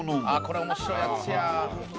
あっこれ面白いやつや。